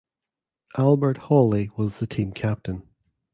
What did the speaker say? Albert Hawley was the team captain.